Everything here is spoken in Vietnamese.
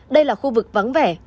đây là khu vực vắng vẻ